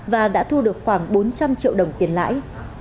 và đã thu được khoảng bốn trăm linh triệu đồng tiền lãi